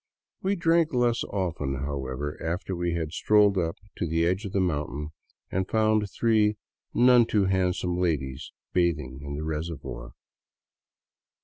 We drank less often, however, after we had strolled up to the edge of the mountain and found three none too handsome ladies bathing in the reservoir.